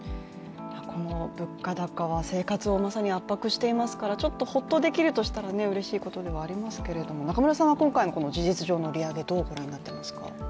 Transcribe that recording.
この物価高は生活をまさに圧迫していますから、ちょっとホッとできるとしたらうれしいことではありますけれども中村さん、今回の事実上の利上げをどうご覧になっていますか？